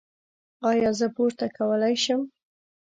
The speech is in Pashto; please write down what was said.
ایا زه پور کولی شم؟